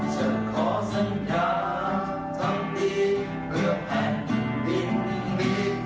ฉันขอสัญญาทำดีเพื่อแผ่นดินนี้